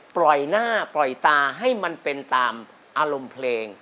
ปล่อยหน้าปล่อยตาให้มันเป็นตามอารมณ์เพลง